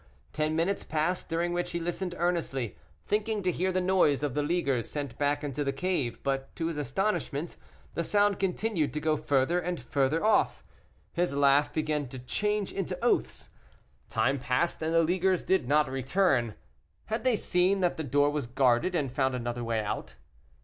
Ten minutes passed, during which he listened earnestly, thinking to hear the noise of the leaguers sent back into the cave, but to his astonishment, the sound continued to go further and further off. His laugh began to change into oaths. Time passed, and the leaguers did not return; had they seen that the door was guarded and found another way out?